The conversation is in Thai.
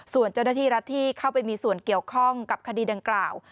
ส่วนเจ้าหน้าที่รัฐที่เข้าไปมีส่วนเกี่ยวข้องกับคดีดังกล่าว